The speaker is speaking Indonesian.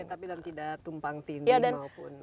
tapi tidak tumpang tindih maupun